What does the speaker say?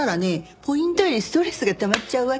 ポイントよりストレスがたまっちゃうわけ。